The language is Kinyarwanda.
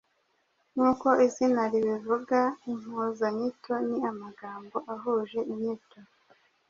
Nk’uko izina ribivuga impuzanyito ni amagambo ahuje inyito.